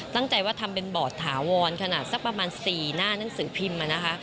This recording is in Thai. ตั้งใจว่าทำเป็นบอร์ดถาวรขนาดสักประมาณ๔หน้านังสือพิมพ์